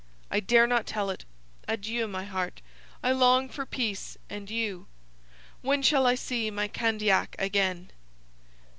I dare not tell it. Adieu, my heart, I long for peace and you. When shall I see my Candiac again?'